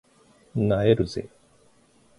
萎えるぜ